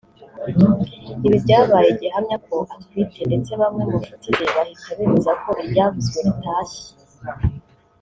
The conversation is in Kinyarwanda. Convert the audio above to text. Ibi byabaye gihamya ko atwite ndetse bamwe mu nshuti ze bahita bemeza ko iryavuzwe ritashye